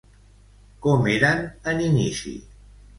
Com eren en inici?